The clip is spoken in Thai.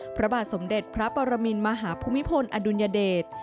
พระบาทสมเด็จพระปรมินมหาภูมิพลอดุลยเดช